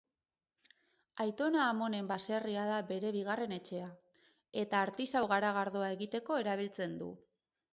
Aitona-amonen baserria da bere bigarren etxea, eta artisau-garagardoa egiteko erabiltzen du.